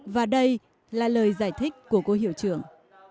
và đây là lời giải thích của cô hiệu trưởng